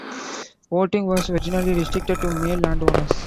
Voting was originally restricted to male landowners.